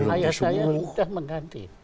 ayah saya sudah mengganti